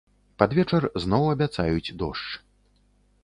Пад вечар зноў абяцаюць дождж.